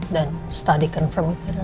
dan setelah di confirm itu adalah sienna